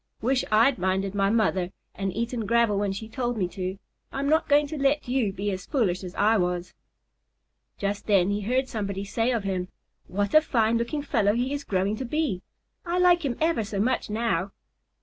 Wish I'd minded my mother and eaten gravel when she told me to, and I'm not going to let you be as foolish as I was." Just then he heard somebody say of him, "What a fine looking fellow he is growing to be! I like him ever so much now."